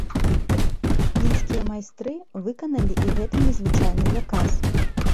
Пінскія майстры выканалі і гэты незвычайны заказ.